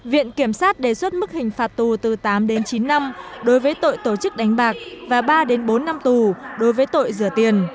viện kiểm sát đề xuất mức hình phạt tù từ tám đến chín năm đối với tội tổ chức đánh bạc và ba bốn năm tù đối với tội rửa tiền